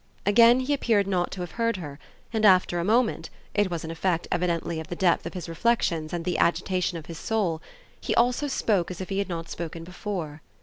Again he appeared not to have heard her; and after a moment it was an effect evidently of the depth of his reflexions and the agitation of his soul he also spoke as if he had not spoken before.